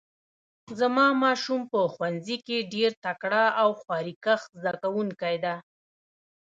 زما ماشوم په ښوونځي کې ډیر تکړه او خواریکښ زده کوونکی ده